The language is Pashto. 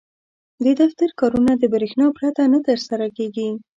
• د دفتر کارونه د برېښنا پرته نه ترسره کېږي.